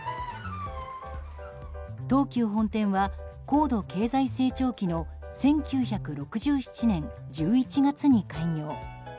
東急本店は高度経済成長期の１９６７年１１月に開業。